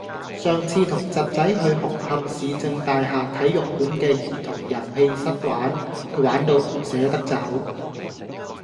上次同侄仔去紅磡市政大廈體育館嘅兒童遊戲室玩，佢玩到唔捨得走。